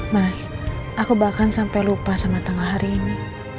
mas aku bahkan sampai lupa sama tengah hari ini